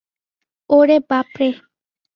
ওরে, বাপ রে।